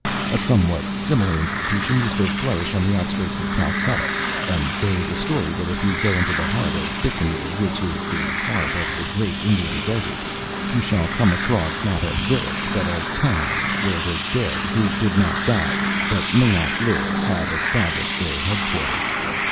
A somewhat similar institution used to flourish on the outskirts of Calcutta, and there is a story that if you go into the heart of Bikanir, which is in the heart of the Great Indian Desert, you shall come across not a village but a town where the Dead who did not die but may not live have established their headquarters.